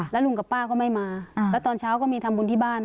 แล้วลุงกับป้าก็ไม่มาแล้วตอนเช้าก็มีทำบุญที่บ้าน